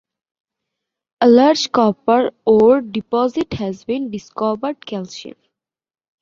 A large copper ore deposit has been discovered ca.